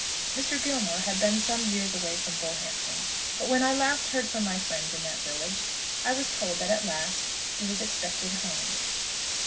Mr. Gilmore has been some years away from Bullhampton; but when I last heard from my friends in that village I was told that at last he was expected home.